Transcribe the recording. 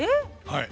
はい。